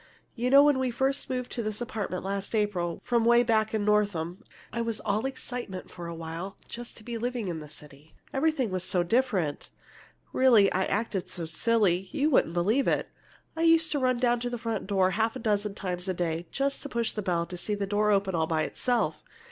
"You know, when we first moved to this apartment, last April, from 'way back in Northam, I was all excitement for a while just to be living in the city. Everything was so different. Really, I acted so silly you wouldn't believe it! I used to run down to the front door half a dozen times a day, just to push the bell and see the door open all by itself!